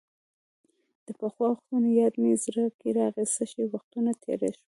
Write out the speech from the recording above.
د پخوا وختونو یاد مې زړه کې راغۍ، څه ښه وختونه تېر شول.